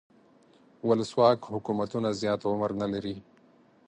ولسواک حکومتونه زیات عمر نه لري.